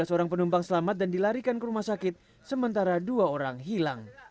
tiga belas orang penumpang selamat dan dilarikan ke rumah sakit sementara dua orang hilang